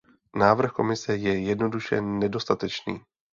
Návrh Komise je jednoduše nedostatečný.